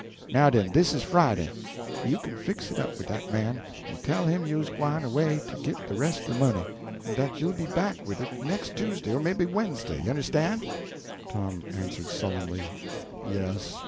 Now den, dis is Friday. You kin fix it up wid dat man, en tell him you's gwine away to git de res' o' de money, en dat you'll be back wid it nex' Tuesday, or maybe Wednesday. You understan'?" Tom answered sullenly "Yes."